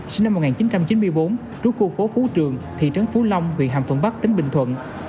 sinh năm một nghìn chín trăm chín mươi bốn trú khu phố phú trường thị trấn phú long huyện hàm thuận bắc tỉnh bình thuận